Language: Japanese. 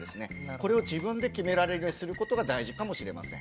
これを自分で決められるようにすることが大事かもしれません。